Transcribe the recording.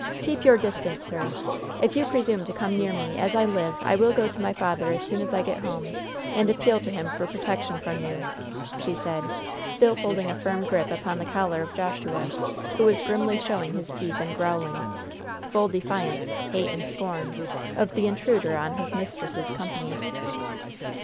"Keep your distance, sir! If you presume to come near me, as I live, I will go to my father as soon as I get home, and appeal to him for protection from you!" she said, still holding a firm grip upon the collar of Joshua, who was grimly showing his teeth and growling "Full defiance, hate and scorn" of the intruder on his mistress' company.